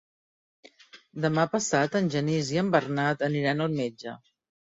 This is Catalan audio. Demà passat en Genís i en Bernat aniran al metge.